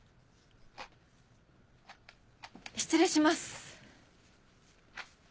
失礼します。